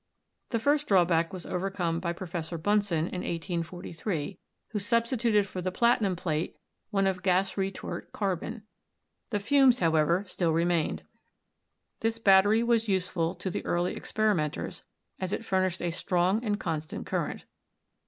The first drawback was overcome by Professor Bunsen, in 1843, wno substituted for the platin um plate one of gas retort carbon. The fumes, however, still remained. This battery was useful to the early ex perimenters, as it furnished a strong and constant current.